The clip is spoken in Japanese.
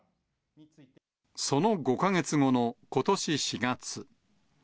その５か月後のことし４月。